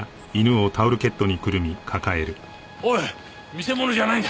おい見せ物じゃないんだ。